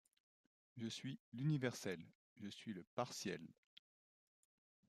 Je suis l’universel, je suis le partiel.